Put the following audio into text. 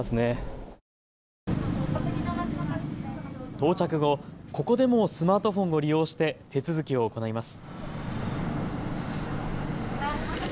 到着後、ここでもスマートフォンを利用して手続きを行います。